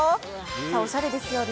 おしゃれですよね。